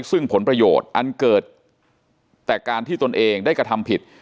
ซึ่งผลประโยชน์อันเกิดแต่การที่ตนเองได้กระทำผิด